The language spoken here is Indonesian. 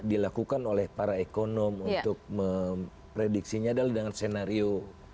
dilakukan oleh para ekonom untuk memprediksinya adalah dengan senario